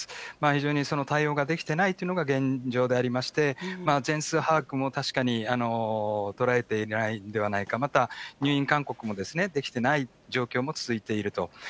非常に対応ができてないというのが現状でありまして、全数把握も確かに捉えていないんではないか、また、入院勧告もできてない状況も続いていると。